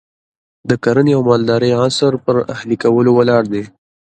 د کرنې او مالدارۍ عصر پر اهلي کولو ولاړ دی.